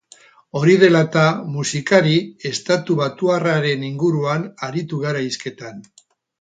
Hori dela eta, musikari estatubatuarraren inguruan aritu gara hizketan.